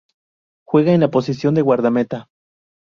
Juega en la posición de Guardameta.